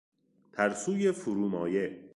ترسوی فرومایه